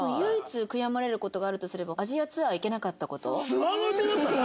ツアーの予定だったの？